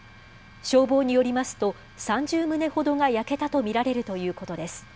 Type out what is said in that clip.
消防によりますと、３０棟ほどが焼けたと見られるということです。